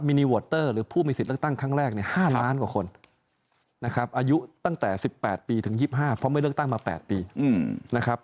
นิวอเตอร์หรือผู้มีสิทธิ์เลือกตั้งครั้งแรกเนี่ย๕ล้านกว่าคนนะครับอายุตั้งแต่๑๘ปีถึง๒๕เพราะไม่เลือกตั้งมา๘ปีนะครับ